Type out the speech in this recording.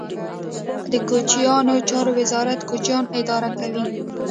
د کوچیانو چارو ریاست کوچیان اداره کوي